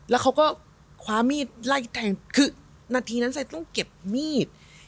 แล้วเขาก็คว้ามีดไล่แทงคือนาทีนั้นไซต้องเก็บมีด